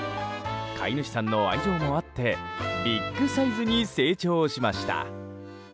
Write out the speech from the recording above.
飼い主さんの愛情もあってビッグサイズに成長しました。